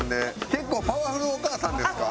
結構パワフルお母さんですか？